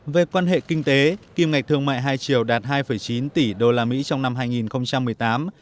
về quan hệ kinh tế kim ngạch thương mại hai triệu đạt hai chín tỷ usd trong năm hai nghìn một mươi tám